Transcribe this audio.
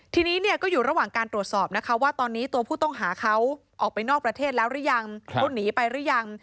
ทีนี้เนี่ยก็อยู่ระหว่างการตรวจสอบนะคะว่าตอนนี้ตัวผู้ต้องหาเขาออกไปนอกประเทศแล้วหรือยังเขาหนีไปหรือยัง